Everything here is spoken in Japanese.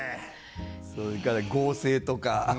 それから合成とか。